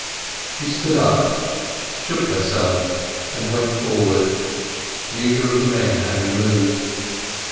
She stood up, shook herself, and went forward, neither of the men having moved.